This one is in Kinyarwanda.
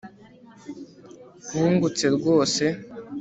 Wungutse rwose